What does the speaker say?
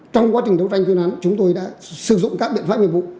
trong quá trình đấu tranh chuyên án chúng tôi đã sử dụng các biện pháp nghiệp vụ